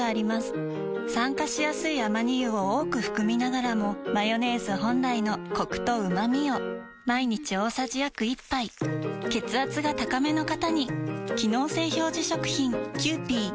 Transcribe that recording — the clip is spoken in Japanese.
酸化しやすいアマニ油を多く含みながらもマヨネーズ本来のコクとうまみを毎日大さじ約１杯血圧が高めの方に機能性表示食品